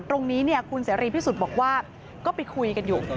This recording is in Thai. ตรงนี้คุณเสรีพิสุทธิ์บอกว่าก็ไปคุยกันอยู่